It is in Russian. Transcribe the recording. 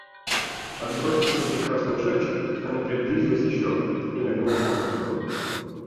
Отбросив с руки красный мешочек, она приблизилась еще и нагнулась под вагон.